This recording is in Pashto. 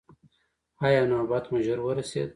ایا نوبت مو ژر ورسید؟